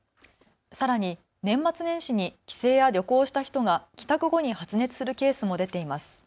さらに年末年始に帰省や旅行をした人が帰宅後に発熱するケースも出ています。